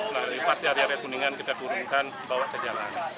nah ini pasti hari raya kuningan kita turunkan di bawah kejalanan